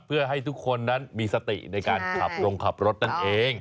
เพื่อให้ทุกคนนั้นมีสติในการขับลงขับรถนั่นเอง